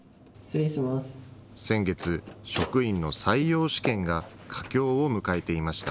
先月、職員の採用試験が佳境を迎えていました。